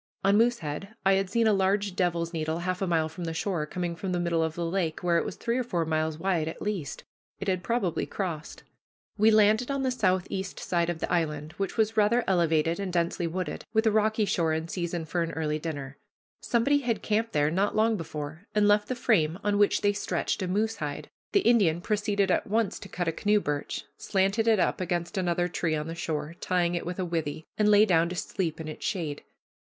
On Moosehead I had seen a large devil's needle half a mile from the shore, coming from the middle of the lake, where it was three or four miles wide at least. It had probably crossed. We landed on the southeast side of the island, which was rather elevated, and densely wooded, with a rocky shore, in season for an early dinner. Somebody had camped there not long before and left the frame on which they stretched a moose hide. The Indian proceeded at once to cut a canoe birch, slanted it up against another tree on the shore, tying it with a withe, and lay down to sleep in its shade.